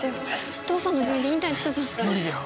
お父さんの病院でインターンやってたじゃん無理だよ